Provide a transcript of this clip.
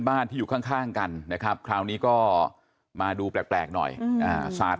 บ้านที่อยู่ข้างกันนะครับคราวนี้ก็มาดูแปลกหน่อยสาด